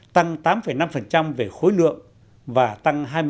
tăng tám năm về khối lượng và tăng hai mươi năm